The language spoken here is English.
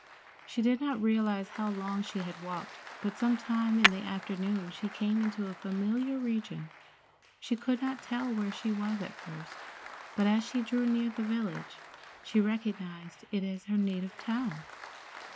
She did not realize how long she had walked, but some time in the afternoon she came into a familiar region. She could not tell where she was at first, but as she drew near to the village she recognized it as her native town.